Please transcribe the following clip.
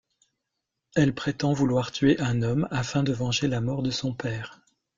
Elle prétend vouloir tuer un homme afin de venger la mort de son père.